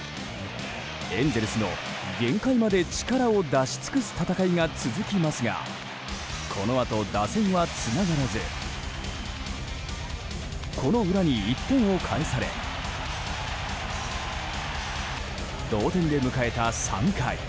エンゼルスの限界まで力を出し尽くす戦いが続きますがこのあと打線はつながらずこの裏に１点を返され同点で迎えた３回。